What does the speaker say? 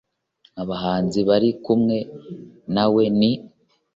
Abahanzi bari kumwe nawe ni